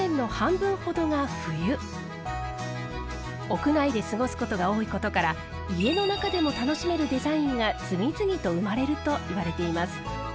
屋内で過ごすことが多いことから家の中でも楽しめるデザインが次々と生まれるといわれています。